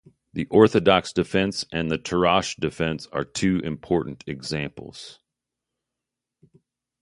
The Orthodox Defense and the Tarrasch Defense are two important examples.